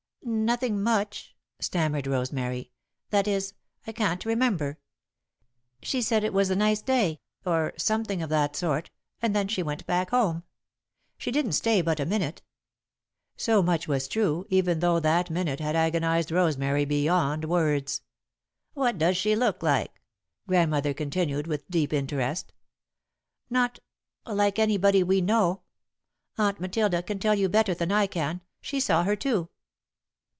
"Nothing much," stammered Rosemary. "That is, I can't remember. She said it was a nice day, or something of that sort, and then she went back home. She didn't stay but a minute." So much was true, even though that minute had agonised Rosemary beyond words. "What does she look like?" Grandmother continued, with deep interest. "Not like anybody we know. Aunt Matilda can tell you better than I can. She saw her too."